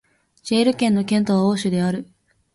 ジェール県の県都はオーシュである